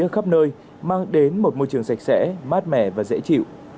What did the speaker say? bố trí ở khắp nơi mang đến một môi trường sạch sẽ mát mẻ và dễ chịu